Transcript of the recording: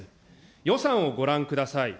予算をご覧ください。